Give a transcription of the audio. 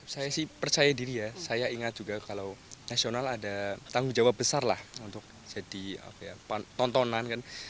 saya sih percaya diri ya saya ingat juga kalau nasional ada tanggung jawab besar lah untuk jadi tontonan kan